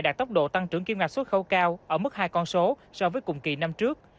đạt tốc độ tăng trưởng kim ngạch xuất khẩu cao ở mức hai con số so với cùng kỳ năm trước